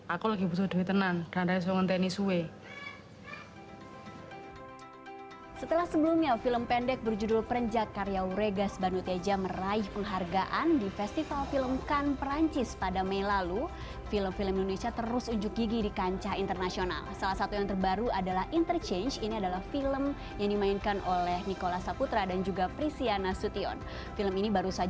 aku tenang pengen jalan ke tiongkok aku lagi butuh duit tenang karena saya mau mencari tenis